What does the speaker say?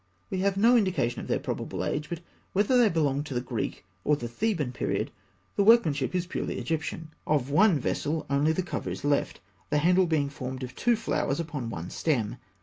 We have no indication of their probable age; but whether they belong to the Greek or the Theban period, the workmanship is purely Egyptian. Of one vessel, only the cover is left, the handle being formed of two flowers upon one stem.